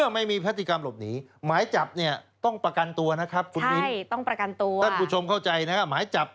มีผลครับ